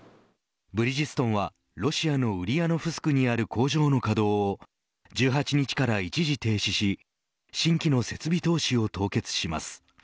ブリヂストンはロシアのウリヤノフスクにある工場の稼働を１８日から一時停止し新規の設備投資を凍結します。